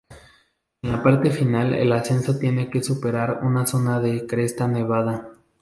En la parte final el ascenso tiene que superar una zona de cresta nevada.